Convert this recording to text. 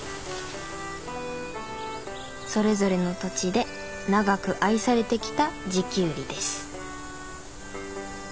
それぞれの土地で長く愛されてきた地キュウリです。